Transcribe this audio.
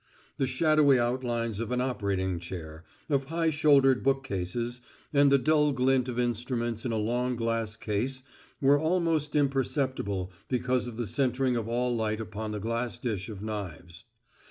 The shadowy outlines of an operating chair, of high shouldered bookcases, and the dull glint of instruments in a long glass case were almost imperceptible because of the centering of all light upon the glass dish of knives.